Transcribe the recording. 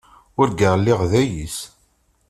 Urgaɣ lliɣ d ayis.